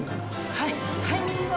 はい。